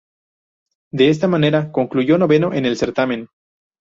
De esta manera, concluyó noveno en el certamen.